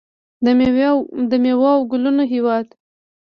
د میوو او ګلونو هیواد.